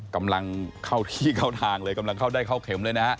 กำลังเข้าที่เข้าทางเลยกำลังเข้าได้เข้าเข็มเลยนะฮะ